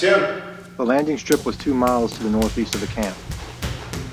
The landing strip was two miles to the northeast of the camp.